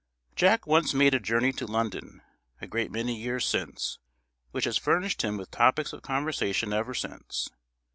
Jack once made a journey to London, a great many years since, which has furnished him with topics of conversation ever since.